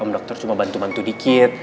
om dokter cuma bantu bantu sedikit